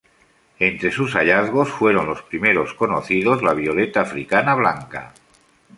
Entre sus hallazgos fueron los primeros conocidos la violeta africana blanca.